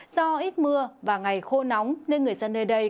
do ít mưa và ngày khô nóng nên người dân nơi đây